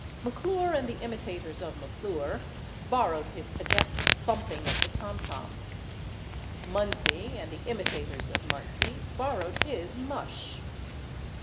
McClure and the imitators of McClure borrowed his adept thumping of the tom tom; Munsey and the imitators of Munsey borrowed his mush.